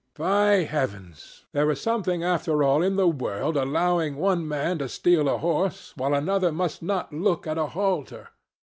By heavens! there is something after all in the world allowing one man to steal a horse while another must not look at a halter.